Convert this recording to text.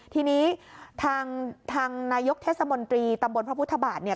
ทีนี้ทางนายกเทศมนตรีตำบลพระพุทธบาทเนี่ย